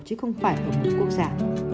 chứ không phải ở một quốc gia